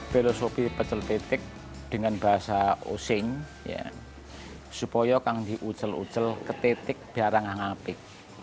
filosofi pecel pitik dengan bahasa osing supaya yang diucel ucel ketetik biar tidak ngapik